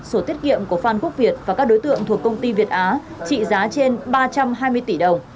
sổ tiết kiệm của phan quốc việt và các đối tượng thuộc công ty việt á trị giá trên ba trăm hai mươi tỷ đồng